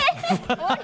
終わり⁉